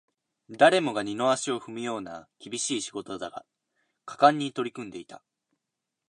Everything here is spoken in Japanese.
誰もが二の足を踏むような厳しい仕事だが、果敢に取り組んでいた